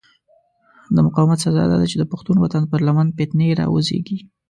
د مقاومت سزا داده چې د پښتون وطن پر لمن فتنې را وزېږي.